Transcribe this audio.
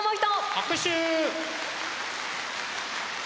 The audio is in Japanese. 拍手！